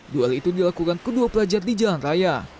duel itu dilakukan kedua pelajar di jalan raya